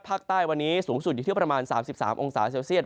ภาคใต้วันนี้สูงสุดอยู่ที่ประมาณ๓๓องศาเซลเซียต